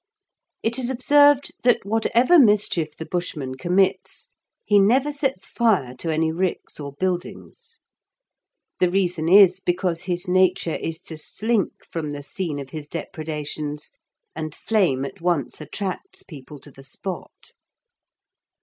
It is observed that whatever mischief the Bushman commits, he never sets fire to any ricks or buildings; the reason is because his nature is to slink from the scene of his depredations, and flame at once attracts people to the spot.